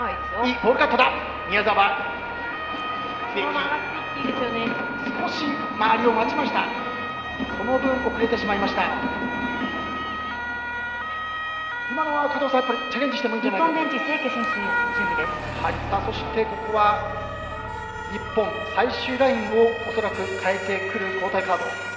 日本ベンチそして、ここは日本最終ラインを恐らく代えてくる交代カード。